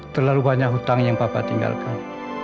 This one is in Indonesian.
terlalu banyak hutang yang bapak tinggalkan